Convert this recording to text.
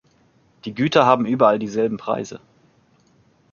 Die Güter haben überall dieselben Preise.